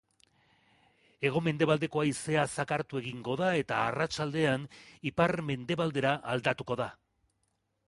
Hego-mendebaldeko haizea zakartu egingo da eta arratsaldean ipar-mendebaldera aldatuko da.